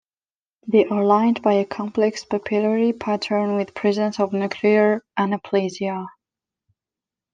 They are lined by a complex papillary pattern with presence of nuclear anaplasia.